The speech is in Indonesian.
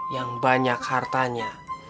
yang banyak hartanya